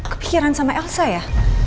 kepikiran sama elsa ya